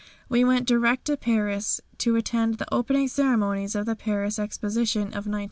We went direct to Paris to attend the opening ceremonies of the Paris Exposition of 1900.